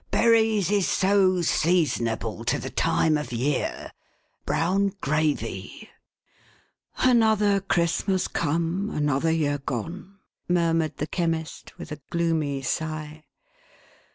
" Berries ; is so seasonable to the time of year !— Brown gravy !" "Another Christmas come, another year gone !" mur mured the Chemist, with a gloomy sigh.